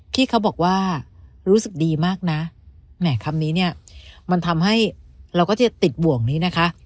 ที่เขาบอกว่ารู้สึกดีมากนะแหมคำนี้เนี่ยมันทำให้เราก็จะติดบ่วงนี้นะคะ